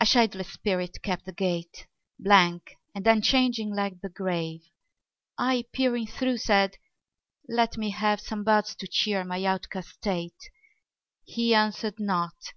A shadowless spirit kept the gate, Blank and unchanging like the grave. 10 I peering through said: 'Let me have Some buds to cheer my outcast state.' He answered not.